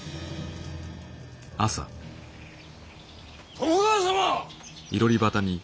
徳川様！